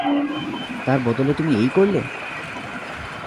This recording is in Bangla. তার বদলে তুমি এই করলে?